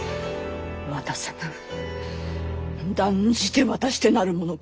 渡さぬ断じて渡してなるものか。